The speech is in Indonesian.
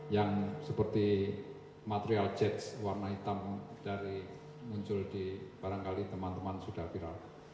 yang seperti material jets warna hitam dari muncul di barangkali teman teman sudah viral